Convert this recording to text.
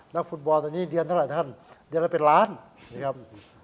นักฟุตบอลตอนนี้เดือนเท่าไหร่ท่านเดือนละเป็นล้านนะครับ